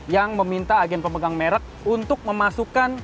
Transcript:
yang meminta agen pemegang merek untuk memasukkan